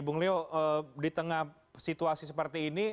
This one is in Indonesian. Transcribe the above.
bung leo di tengah situasi seperti ini